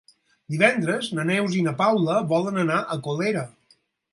Divendres na Neus i na Paula volen anar a Colera.